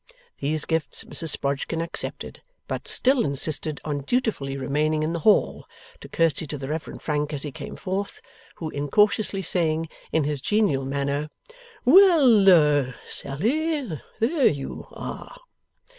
These gifts Mrs Sprodgkin accepted, but still insisted on dutifully remaining in the hall, to curtsey to the Reverend Frank as he came forth. Who, incautiously saying in his genial manner, 'Well, Sally, there you are!